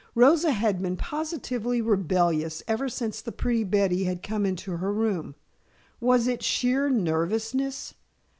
Rosa had been positively rebellious ever since the pretty Betty had come into her room. Was it sheer nervousness?